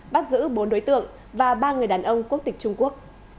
bắt giữ bốn đối tượng và ba người đàn ông quốc tịch trung quốc